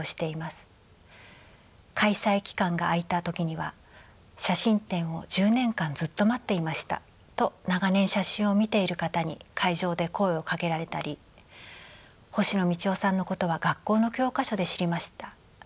開催期間があいた時には「写真展を１０年間ずっと待っていました」と長年写真を見ている方に会場で声をかけられたり「星野道夫さんのことは学校の教科書で知りました。